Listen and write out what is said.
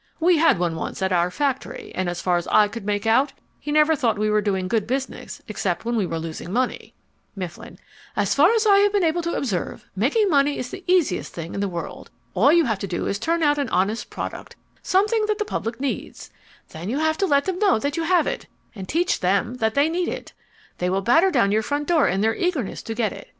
We had one once at our factory, and as far as I could make out he never thought we were doing good business except when we were losing money. MIFFLIN As far as I have been able to observe, making money is the easiest thing in the world. All you have to do is to turn out an honest product, something that the public needs. Then you have to let them know that you have it, and teach them that they need it. They will batter down your front door in their eagerness to get it.